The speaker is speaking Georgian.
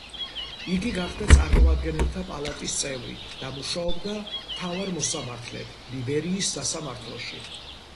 იგი გახდა წარმომადგენელთა პალატის წევრი და მუშაობდა მთავარ მოსამართლედ ლიბერიის სასამართლოში.